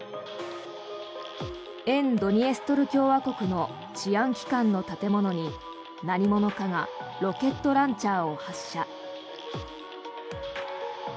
沿ドニエストル共和国の治安機関の建物に何者かがロケットランチャーを発射。